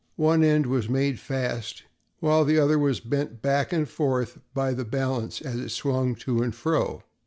One end was made fast while the other was bent back and forth by the balance, as it swung to and fro.